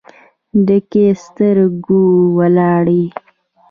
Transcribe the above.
ډکې سترګې ولاړې